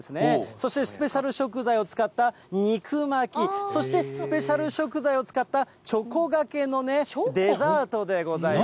そしてスペシャル食材を使った肉巻き、そして、スペシャル食材を使った、チョコがけのね、デザートでございます。